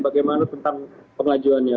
bagaimana tentang pengajuannya